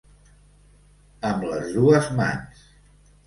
Amb les dues mans.